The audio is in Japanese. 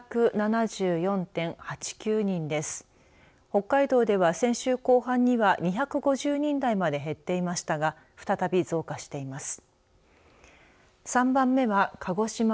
北海道では先週後半には２５０人台まで減っていましたが再び増加しています。